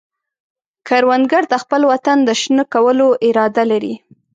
کروندګر د خپل وطن د شنه کولو اراده لري